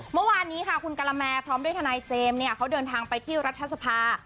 เมื่อวานนี้ค่ะคุณกะละแมพร้อมด้วยทนายเจมส์เนี่ยเขาเดินทางไปที่รัฐสภา